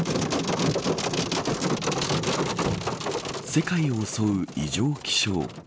世界を襲う異常気象。